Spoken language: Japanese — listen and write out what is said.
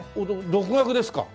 独学ですか？